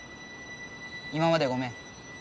今までごめん。